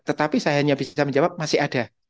tetapi saya hanya bisa menjawab masih ada